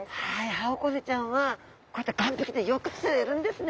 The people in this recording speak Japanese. ハオコゼちゃんはこういった岸壁でよく釣れるんですね。